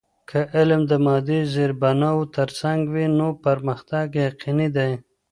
که علم د مادی زیربناوو ترڅنګ وي، نو پرمختګ یقینی دی.